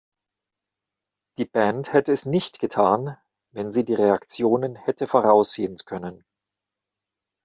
Die Band hätte es nicht getan, wenn sie die Reaktionen hätte voraussehen können.